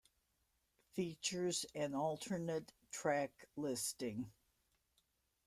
Features an alternate track listing.